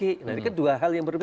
nah ini kan dua hal yang berbeda